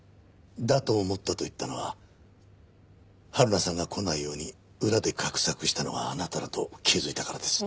「だと思った」と言ったのははるなさんが来ないように裏で画策したのがあなただと気づいたからです。